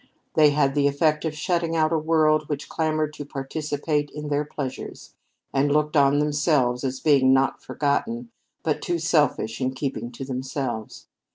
They had the effect of shutting out a world which clamored to participate in their pleasures, and looked on themselves as being not forgotten, but too selfish in keeping to themselves.